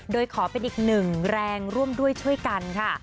โดยขอเป็นอีกหนึ่งแรงร่วมด้วยช่วยกันค่ะ